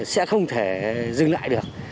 sẽ không thể dừng lại được